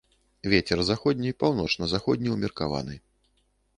Вецер заходні, паўночна-заходні ўмеркаваны.